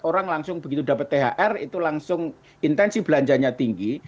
orang langsung begitu dapat thr itu langsung intensi belanjanya tinggi